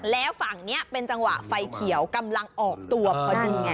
แล้วฝั่งนี้เป็นจังหวะไฟเขียวกำลังออกตัวพอดีไง